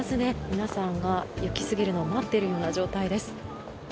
皆さんが行き過ぎるのを待っているような状態です。